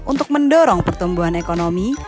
untuk mendorong pertumbuhan ekonomi